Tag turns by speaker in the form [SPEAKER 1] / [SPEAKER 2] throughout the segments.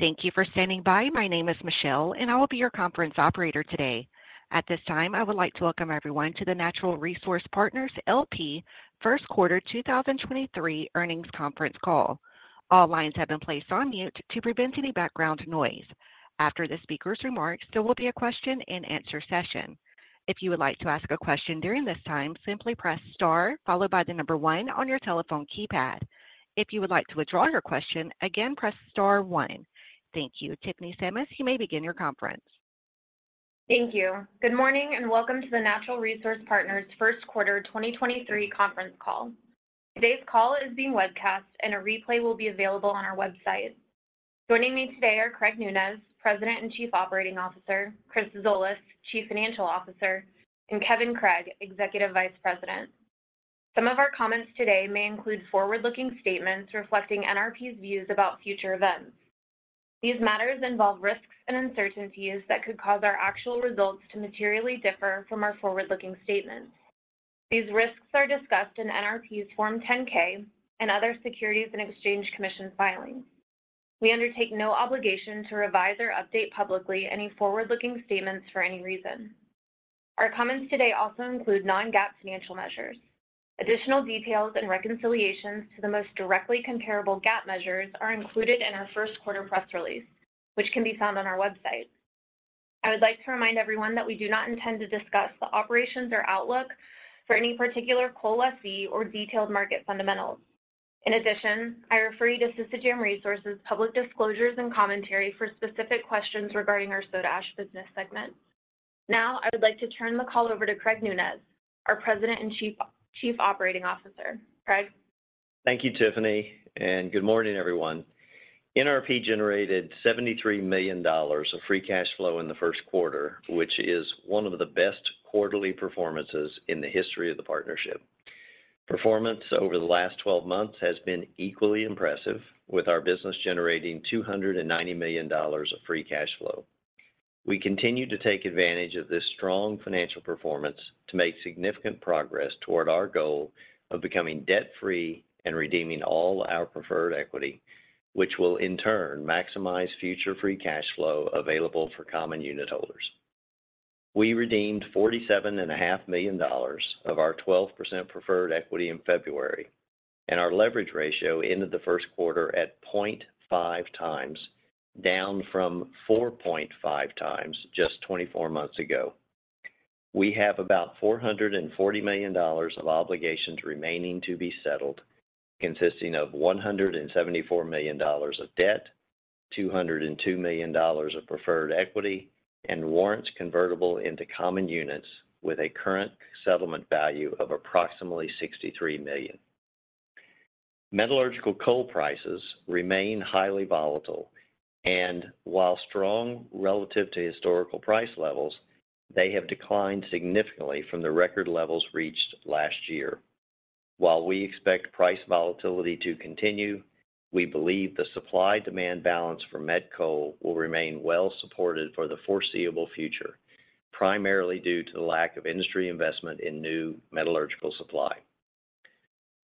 [SPEAKER 1] Thank you for standing by. My name is Michelle, and I will be your conference operator today. At this time, I would like to welcome everyone to the Natural Resource Partners L.P. First Quarter 2023 Earnings Conference Call. All lines have been placed on mute to prevent any background noise. After the speaker's remarks, there will be a question-and-answer session. If you would like to ask a question during this time, simply press star one on your telephone keypad. If you would like to withdraw your question, again, press star one. Thank you. Tiffany Sammis, you may begin your conference.
[SPEAKER 2] Thank you. Good morning, welcome to the Natural Resource Partners First Quarter 2023 conference call. Today's call is being webcast, a replay will be available on our website. Joining me today are Craig Nunez, President and Chief Operating Officer, Chris Zolas, Chief Financial Officer, and Kevin Craig, Executive Vice President. Some of our comments today may include forward-looking statements reflecting NRP's views about future events. These matters involve risks and uncertainties that could cause our actual results to materially differ from our forward-looking statements. These risks are discussed in NRP's Form 10-K and other Securities and Exchange Commission filings. We undertake no obligation to revise or update publicly any forward-looking statements for any reason. Our comments today also include Non-GAAP financial measures. Additional details and reconciliations to the most directly comparable GAAP measures are included in our first quarter press release, which can be found on our website. I would like to remind everyone that we do not intend to discuss the operations or outlook for any particular coal lessee or detailed market fundamentals. I refer you to Sisecam Resources public disclosures and commentary for specific questions regarding our soda ash business segment. I would like to turn the call over to Craig Nunez, our President and Chief Operating Officer. Craig?
[SPEAKER 3] Thank you, Tiffany, and good morning, everyone. NRP generated $73 million of free cash flow in the first quarter, which is one of the best quarterly performances in the history of the partnership. Performance over the last 12 months has been equally impressive, with our business generating $290 million of free cash flow. We continue to take advantage of this strong financial performance to make significant progress toward our goal of becoming debt-free and redeeming all our preferred equity, which will in turn maximize future free cash flow available for common unit holders. We redeemed $47.5 million of our 12% preferred equity in February, and our leverage ratio ended the first quarter at 0.5x, down from 4.5x just 24 months ago. We have about $440 million of obligations remaining to be settled, consisting of $174 million of debt, $202 million of preferred equity, and warrants convertible into common units with a current settlement value of approximately $63 million. Metallurgical coal prices remain highly volatile, while strong relative to historical price levels, they have declined significantly from the record levels reached last year. While we expect price volatility to continue, we believe the supply-demand balance for met coal will remain well supported for the foreseeable future, primarily due to the lack of industry investment in new metallurgical supply.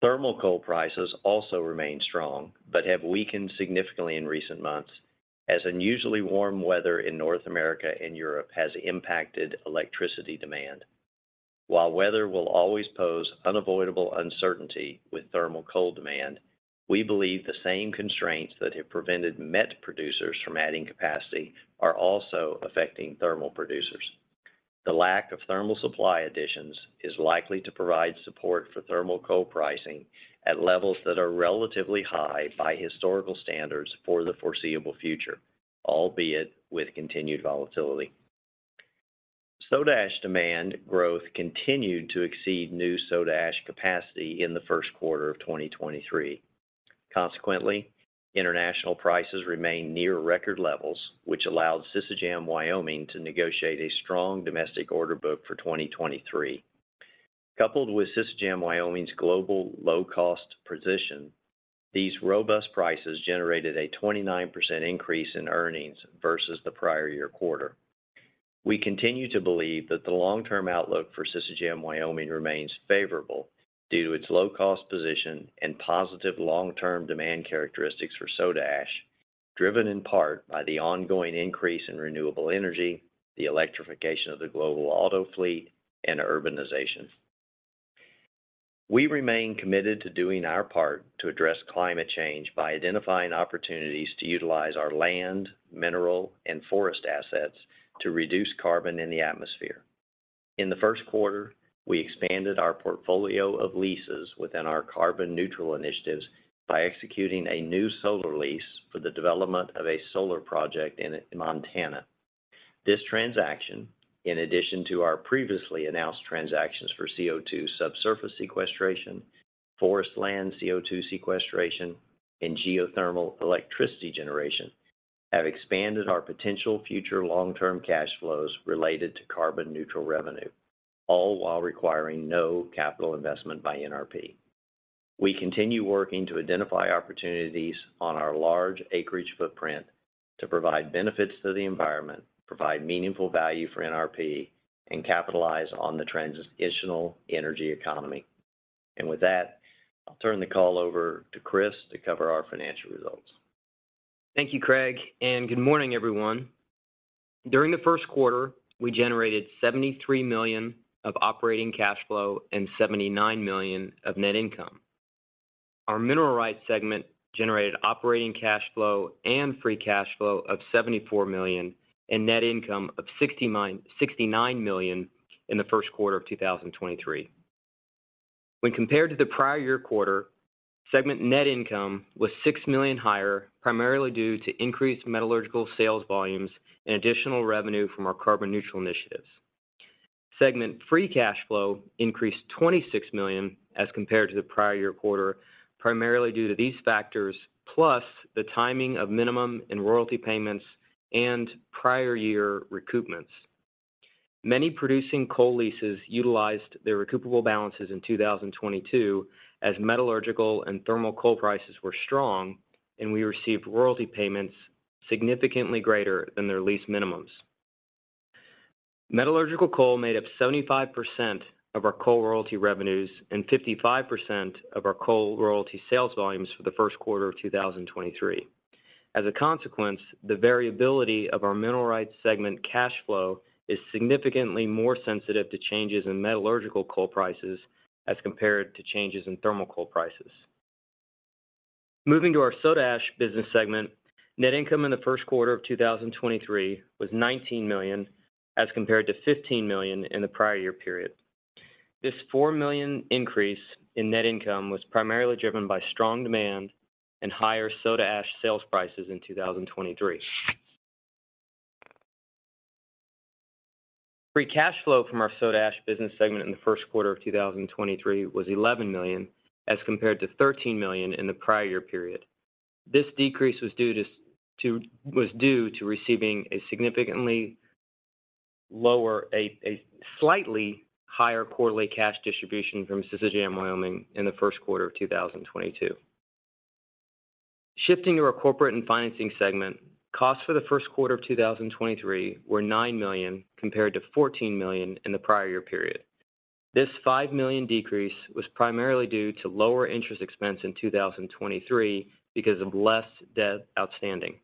[SPEAKER 3] Thermal coal prices also remain strong, have weakened significantly in recent months as unusually warm weather in North America and Europe has impacted electricity demand. While weather will always pose unavoidable uncertainty with thermal coal demand, we believe the same constraints that have prevented met producers from adding capacity are also affecting thermal producers. The lack of thermal supply additions is likely to provide support for thermal coal pricing at levels that are relatively high by historical standards for the foreseeable future, albeit with continued volatility. Soda ash demand growth continued to exceed new soda ash capacity in the first quarter of 2023. Consequently, international prices remained near record levels, which allowed Sisecam Wyoming to negotiate a strong domestic order book for 2023. Coupled with Sisecam Wyoming's global low-cost position, these robust prices generated a 29% increase in earnings versus the prior year quarter. We continue to believe that the long-term outlook for Sisecam Wyoming remains favorable due to its low-cost position and positive long-term demand characteristics for soda ash, driven in part by the ongoing increase in renewable energy, the electrification of the global auto fleet, and urbanization. We remain committed to doing our part to address climate change by identifying opportunities to utilize our land, mineral, and forest assets to reduce carbon in the atmosphere. In the first quarter, we expanded our portfolio of leases within our carbon neutral initiatives by executing a new solar lease for the development of a solar project in Montana. This transaction, in addition to our previously announced transactions for CO2 subsurface sequestration, forest land CO2 sequestration, and geothermal electricity generation, have expanded our potential future long-term cash flows related to carbon neutral revenue, all while requiring no capital investment by NRP. We continue working to identify opportunities on our large acreage footprint to provide benefits to the environment, provide meaningful value for NRP, and capitalize on the transitional energy economy. With that, I'll turn the call over to Chris to cover our financial results.
[SPEAKER 4] Thank you, Craig. Good morning, everyone. During the first quarter, we generated $73 million of operating cash flow and $79 million of net income. Our Mineral Rights segment generated operating cash flow and free cash flow of $74 million and net income of $69 million in the first quarter of 2023. When compared to the prior year quarter, segment net income was $6 million higher, primarily due to increased metallurgical sales volumes and additional revenue from our carbon-neutral initiatives. Segment free cash flow increased $26 million as compared to the prior year quarter, primarily due to these factors plus the timing of minimum and royalty payments and prior year recoupments. Many producing coal leases utilized their recoupable balances in 2022 as metallurgical and thermal coal prices were strong, and we received royalty payments significantly greater than their lease minimums. Metallurgical coal made up 75% of our coal royalty revenues and 55% of our coal royalty sales volumes for the first quarter of 2023. The variability of our Mineral Rights segment cash flow is significantly more sensitive to changes in metallurgical coal prices as compared to changes in thermal coal prices. Moving to our Soda Ash business segment, net income in the first quarter of 2023 was $19 million as compared to $15 million in the prior year period. This $4 million increase in net income was primarily driven by strong demand and higher soda ash sales prices in 2023. Free cash flow from our Soda Ash business segment in the first quarter of 2023 was $11 million as compared to $13 million in the prior year period. This decrease was due to to... was due to receiving a slightly higher quarterly cash distribution from Sisecam Wyoming in the first quarter of 2022. Shifting to our Corporate and Financing segment, costs for the first quarter of 2023 were $9 million, compared to $14 million in the prior year period. This $5 million decrease was primarily due to lower interest expense in 2023 because of less debt outstanding.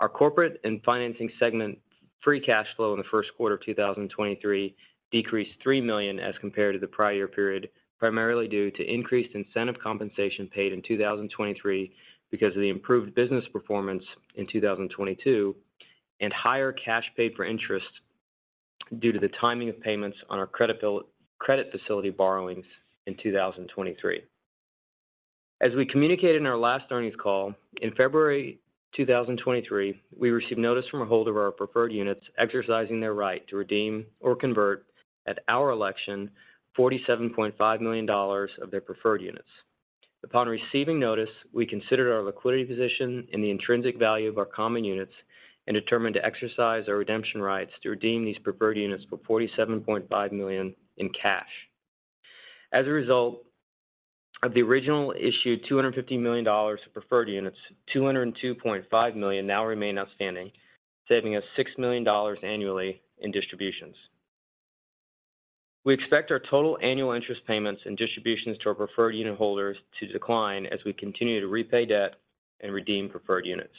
[SPEAKER 4] Our Corporate and Financing segment free cash flow in the first quarter of 2023 decreased $3 million as compared to the prior year period, primarily due to increased incentive compensation paid in 2023 because of the improved business performance in 2022 and higher cash paid for interest due to the timing of payments on our credit facility borrowings in 2023. As we communicated in our last earnings call, in February 2023, we received notice from a holder of our preferred units exercising their right to redeem or convert at our election $47.5 million of their preferred units. Upon receiving notice, we considered our liquidity position and the intrinsic value of our common units and determined to exercise our redemption rights to redeem these preferred units for $47.5 million in cash. As a result of the original issued $250 million of preferred units, $202.5 million now remain outstanding, saving us $6 million annually in distributions. We expect our total annual interest payments and distributions to our preferred unit holders to decline as we continue to repay debt and redeem preferred units.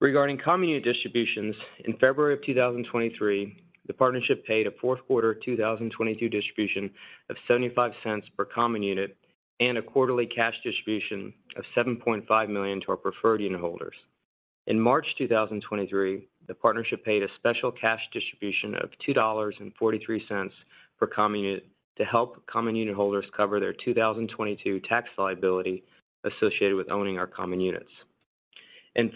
[SPEAKER 4] Regarding common unit distributions, in February 2023, the partnership paid a fourth quarter 2022 distribution of $0.75 per common unit and a quarterly cash distribution of $7.5 million to our preferred unit holders. In March 2023, the partnership paid a special cash distribution of $2.43 per common unit to help common unit holders cover their 2022 tax liability associated with owning our common units.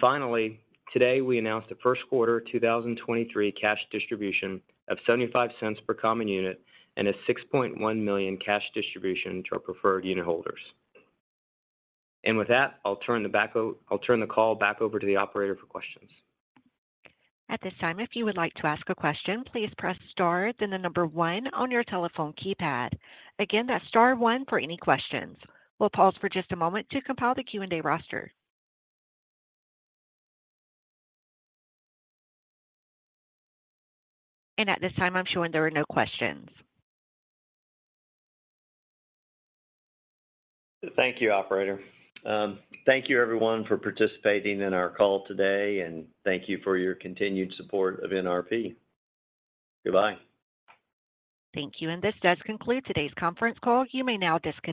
[SPEAKER 4] Finally, today, we announced the first quarter 2023 cash distribution of $0.75 per common unit and a $6.1 million cash distribution to our preferred unit holders. With that, I'll turn the call back over to the operator for questions.
[SPEAKER 1] At this time, if you would like to ask a question, please press star, then the number one on your telephone keypad. Again, that's star one for any questions. We'll pause for just a moment to compile the Q&A roster. At this time, I'm showing there are no questions.
[SPEAKER 3] Thank you, operator. Thank you everyone for participating in our call today, and thank you for your continued support of NRP. Goodbye.
[SPEAKER 1] Thank you, and this does conclude today's conference call. You may now disconnect.